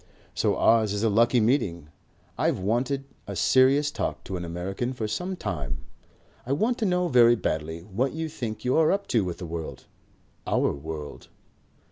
"So ours is a lucky meeting. I've wanted a serious talk to an American for some time. I want to know very badly what you think you are up to with the world, our world."